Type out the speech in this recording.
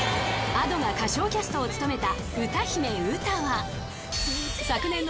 ［Ａｄｏが歌唱キャストを務めた］